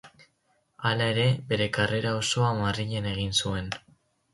Hala ere, bere karrera osoa Madrilen egin zuen.